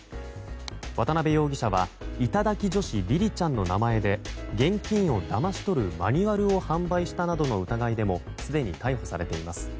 渡辺容疑者は頂き女子りりちゃんの名前で現金をだまし取るマニュアルを販売したなどの疑いでもすでに逮捕されています。